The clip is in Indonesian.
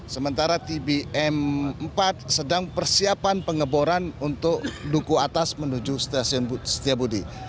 sementara tbm empat sedang persiapan pengeboran untuk duku atas menuju stasiun setiabudi